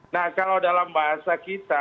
nah kalau dalam bahasa kita